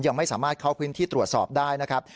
ยังไม่สามารถเข้าพื้นที่ตรวจสอบได้นะครับ